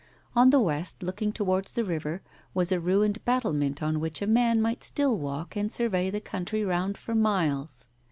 On the west, looking towards the river, was a ruined battlement on which a man might still walk and survey the country round for miles.